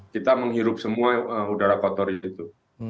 kita menghirup semua udara kotor itu